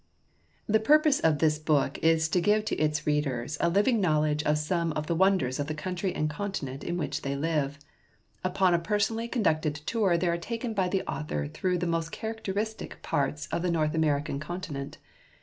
The purpose of this book is to give to its readers a living knowledge of some of the wonders of the country and continent in which they live. Upon a personally con ducted tour they are taken by the author through the most characteristic parts of the North American continent.